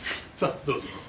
さあどうぞ。